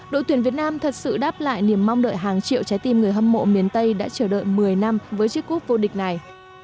đội tuyển việt nam thật sự đáp lại niềm mong đợi hàng triệu trái tim người hâm mộ miền tây đã chờ đợi một mươi năm với chiếc cúp vô địch này